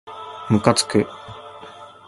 むかつく